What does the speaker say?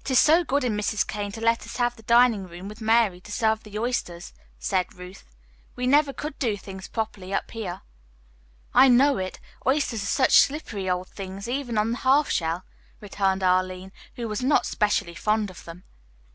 "It is so good in Mrs. Kane to let us have the dining room with Mary to serve the oysters," said Ruth. "We never could do things properly up here." "I know it. Oysters are such slippery old things, even on the half shell," returned Arline, who was not specially fond of them.